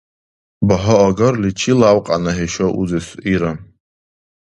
— Багьаагарли чи лявкьяна иша узес, — ира.